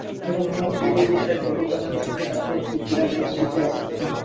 এবং আমার দৃঢ় বিশ্বাস বকুল গাছ প্রসঙ্গে তার কোনো একটি পীড়াদায়ক স্মৃতি আছে।